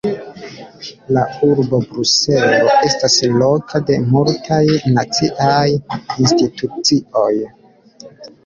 La Urbo Bruselo estas loko de multaj naciaj institucioj.